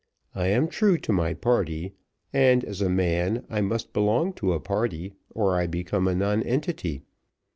I am true to my party, and, as a man, I must belong to a party, or I become a nonentity.